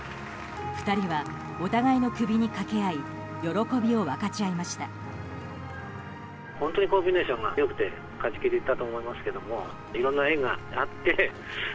２人はお互いの首にかけ合い喜びを分かち合いました。